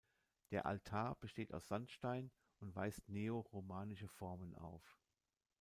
Der Altar besteht aus Sandstein und weist neoromanische Formen auf.